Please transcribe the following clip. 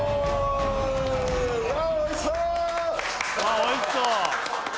わおいしそう！